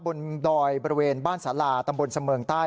ดอยบริเวณบ้านสาลาตำบลเสมิงใต้